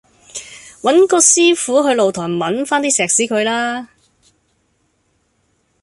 搵個師傅去露台忟番啲石屎佢啦